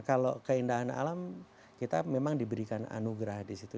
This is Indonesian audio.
kalau keindahan alam kita memang diberikan anugerah disitu